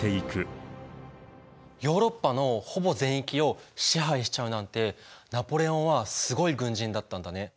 ヨーロッパのほぼ全域を支配しちゃうなんてナポレオンはすごい軍人だったんだね。